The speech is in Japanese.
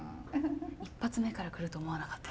一発目から来ると思わなかった。